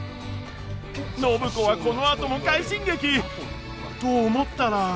暢子はこのあとも快進撃！と思ったら。